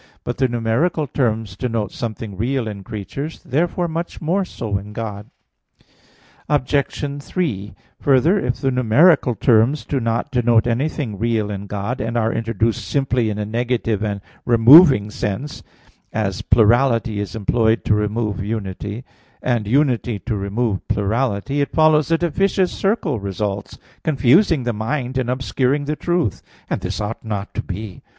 But the numeral terms denote something real in creatures; therefore much more so in God. Obj. 3: Further, if the numeral terms do not denote anything real in God, and are introduced simply in a negative and removing sense, as plurality is employed to remove unity, and unity to remove plurality; it follows that a vicious circle results, confusing the mind and obscuring the truth; and this ought not to be.